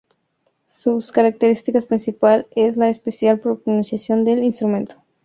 Su característica principal es la especial proporción del instrumento.